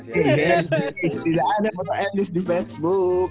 tidak ada foto eli di facebook